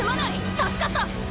助かった！